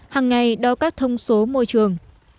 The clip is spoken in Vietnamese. hàng ngày đo các thông số môi trường